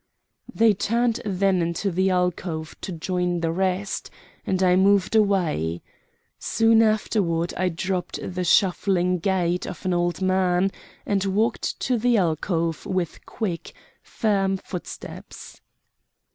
They turned then into the alcove to join the rest, and I moved away. Soon afterward I dropped the shuffling gait of an old man and walked to the alcove with quick, firm footsteps.